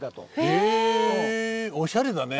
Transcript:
へえおしゃれだね。